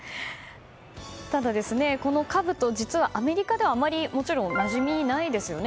ただ、このかぶと実はアメリカではあまりもちろん、なじみないですよね。